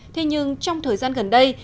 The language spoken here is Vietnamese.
thế nhưng trong thời gian gần đây